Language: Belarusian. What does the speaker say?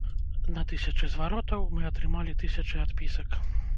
На тысячы зваротаў мы атрымалі тысячы адпісак.